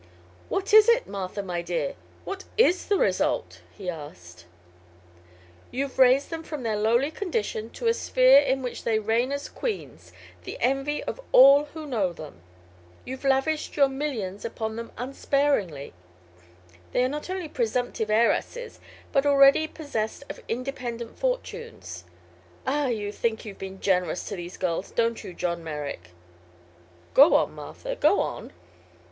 "What is it, Martha, my dear? What is the result?" he asked. "You've raised them from their lowly condition to a sphere in which they reign as queens, the envy of all who know them. You've lavished your millions upon them unsparingly; they are not only presumptive heiresses but already possessed of independent fortunes. Ah, you think you've been generous to these girls; don't you, John Merrick?" "Go on, Martha; go on."